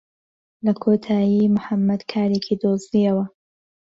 لە کۆتایی موحەممەد کارێکی دۆزییەوە.